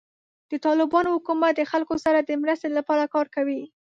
د طالبانو حکومت د خلکو سره د مرستې لپاره کار کوي.